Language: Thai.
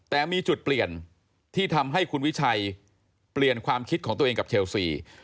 แต่มีจุดเปลี่ยนที่ทำให้คุณวิชัยเปลี่ยนความคิดของตัวเองกับเชลซี